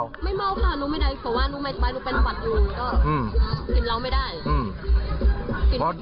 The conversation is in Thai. ไม่เมาค่ะรู้ไม่ได้เผื่อว่ารู้ไม่ได้รู้เป็นบัตรอยู่